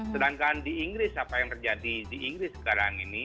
sedangkan di inggris apa yang terjadi di inggris sekarang ini